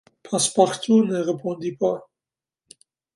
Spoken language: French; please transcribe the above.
Passepartout ne répondit pas.